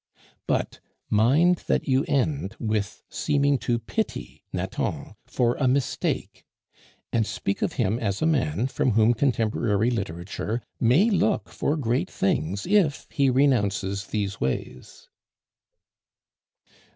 But mind that you end with seeming to pity Nathan for a mistake, and speak of him as of a man from whom contemporary literature may look for great things if he renounces these ways."